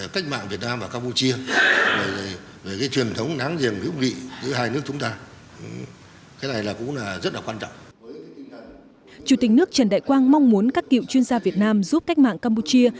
chủ tịch nước trần đại quang mong muốn các cựu chuyên gia việt nam giúp cách mạng campuchia